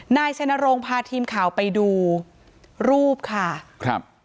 นายชัยนรงค์พาทีมข่าวไปดูรูปค่ะครับ